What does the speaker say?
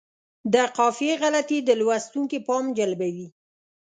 د قافیې غلطي د لوستونکي پام جلبوي.